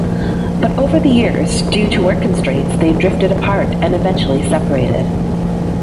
But over the years, due to work constraints, they drifted apart and eventually separated.